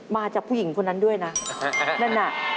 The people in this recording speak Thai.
มาจากผู้หญิงคนนั้นด้วยนะนั่นน่ะ